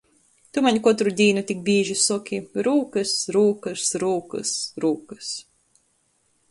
Tu maņ kotru dīnu tik bīži soki – rūkys, rūkys, rūkys, rūkys...